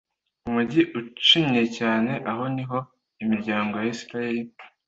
umugi ucinyiye cyane ,aho ni ho imiryango ya israheli